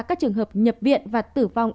các trường hợp nhập viện và tử vong